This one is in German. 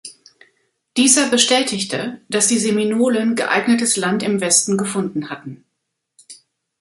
Dieser bestätigte, dass die Seminolen geeignetes Land im Westen gefunden hatten.